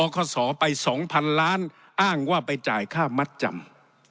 ขอสอไป๒๐๐๐ล้านอ้างว่าไปจ่ายค่ามัดจำ